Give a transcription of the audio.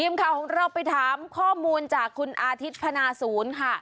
ทีมข่าวของเราไปถามข้อมูลจากคุณอาทิตย์พนาศูนย์ค่ะ